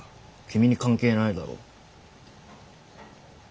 君に関係ないだろ。